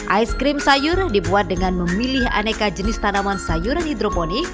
ais krim sayur dibuat dengan memilih aneka jenis tanaman sayuran hidroponik